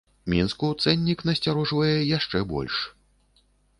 Мінску цэннік насцярожвае яшчэ больш.